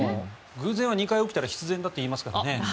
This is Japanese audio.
偶然は２回起きたら必然だって言いますからね。